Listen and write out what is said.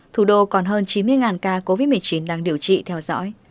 thủ đô còn hơn chín mươi ca covid một mươi chín đang điều trị theo dõi